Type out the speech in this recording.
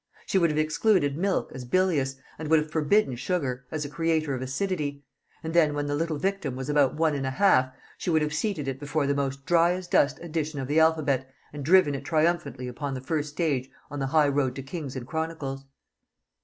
She would have excluded milk, as bilious, and would have forbidden sugar, as a creator of acidity; and then, when the little victim was about one and a half, she would have seated it before the most dry as dust edition of the alphabet, and driven it triumphantly upon the first stage on the high road to Kings and Chronicles.